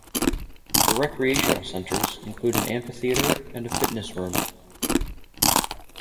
The recreational centers include an amphitheater and a fitness room.